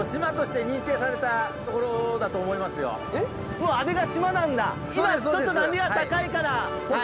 もうあれが島なんだ。